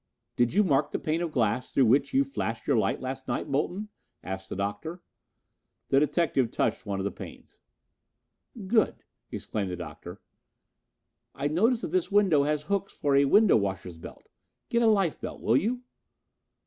"Did you mark the pane of glass through which you flashed your light last night, Bolton?" asked the Doctor. The detective touched one of the panes. "Good," exclaimed the Doctor. "I notice that this window has hooks for a window washer's belt. Get a life belt, will you?"